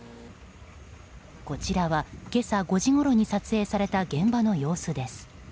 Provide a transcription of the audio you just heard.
こちらは今朝５時ごろに撮影された現場の様子です。